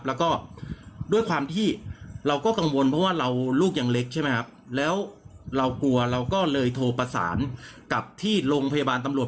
แล้วก็ด้วยความที่เราก็กังวลเพราะว่าเราลูกยังเล็กใช่ไหมครับแล้วเรากลัวเราก็เลยโทรประสานกับที่โรงพยาบาลตำรวจ